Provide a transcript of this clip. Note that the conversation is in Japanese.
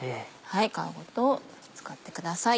皮ごと使ってください。